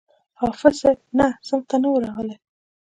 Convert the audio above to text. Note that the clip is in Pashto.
حافظ صاحب نه صنف ته نه وو راغلى.